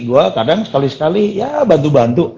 gue kadang sekali sekali ya bantu bantu